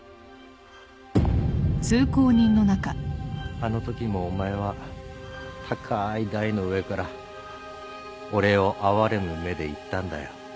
あのときもお前は高い台の上から俺を哀れむ目で言ったんだよ。